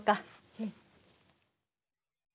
うん。